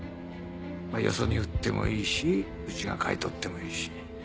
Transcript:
よそに売ってもいいしうちが買い取ってもいいし。